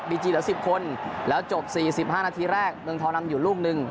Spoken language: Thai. บีจีเหลือสิบคนแล้วจบสี่สิบห้านาทีแรกเมืองทอนำอยู่ลูกหนึ่ง